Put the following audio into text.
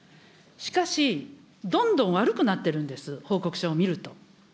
しかし、どんどん悪くなってるんです、報告書を見ると。